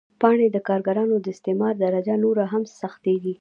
یانې د کارګرانو د استثمار درجه نوره هم سختېږي